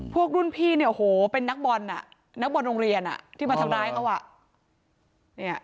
พวกรุ่นพี่เนี่ยโอ้โหเป็นนักบอลน่ะนักบอลโรงเรียนที่มาทำร้ายเขาอ่ะ